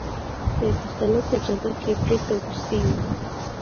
د پښتنو په جرګه کې پریکړه وروستۍ وي.